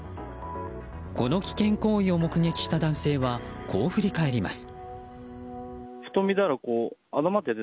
この危険行為を目撃した男性はこう振り返ります。